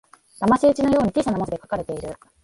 だまし討ちのように小さな文字で書かれている